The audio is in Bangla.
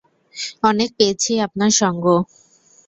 অনেক পেয়েছি আপনার সঙ্গ!